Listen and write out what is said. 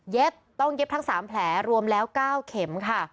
ต้องเย็บทั้ง๓แผลรวมแล้ว๙เข็มค่ะ